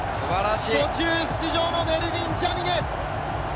途中出場のメルヴィン・ジャミネ！